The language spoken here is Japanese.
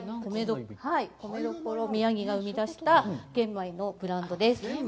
米どころ宮城が生み出した、玄米のブランドです。